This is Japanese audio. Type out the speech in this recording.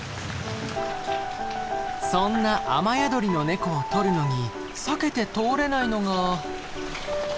そんな雨宿りのネコを撮るのに避けて通れないのが。